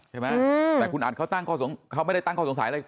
ใช่ไหมแต่คุณอนเขาไม่ได้ตั้งคอสงสัยอะไร